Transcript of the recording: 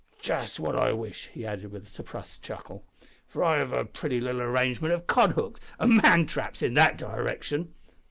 Just what I wish," he added, with a suppressed chuckle, "for I've got a pretty little arrangement of cod hooks and man traps in that direction."